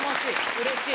うれしい！